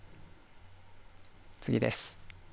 次です。